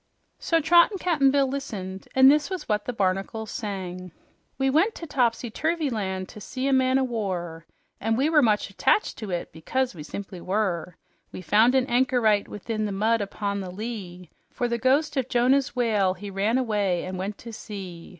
So Trot and Cap'n Bill listened, and this is what the barnacles sang: "We went to topsy turvy land to see a man o' war, And we were much attached to it, because we simply were; We found an anchor ite within the mud upon the lea For the ghost of Jonah's whale he ran away and went to sea.